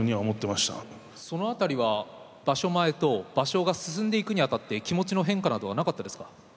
そのあたりは場所前と場所が進んでいくにあたって気持ちの変化などはなかったですか？